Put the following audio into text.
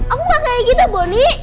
aku gak kayak gitu boni